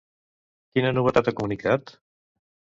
Quina novetat ha comunicat?